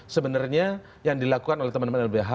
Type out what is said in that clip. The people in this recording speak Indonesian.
sebenarnya yang dilakukan oleh teman teman lbh